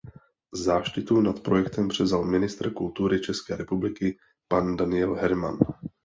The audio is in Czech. Záštitu nad projektem převzal ministr kultury České republiky pan Daniel Herman.